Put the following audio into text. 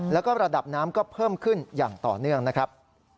แล้วก็ระดับน้ำก็เพิ่มขึ้นอย่างต่อเนื่องนะครับ